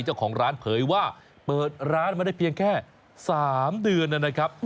เจ้าของร้านเผยว่าเปิดร้านมาได้เพียงแค่๓เดือนนะครับ